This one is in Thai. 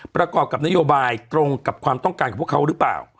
ประกอบกับนโยบายตรงกับความต้องการของพวกเขาหรือเปล่า